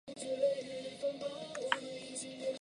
后累任至南京大理寺丞。